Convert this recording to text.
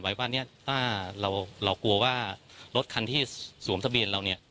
ไว้ว่าถ้าเรากลัวซึ่งรถคันที่ส่วมทะเบียนเรา